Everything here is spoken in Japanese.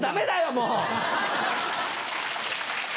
もう。